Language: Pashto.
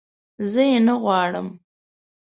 زه یې نه غواړم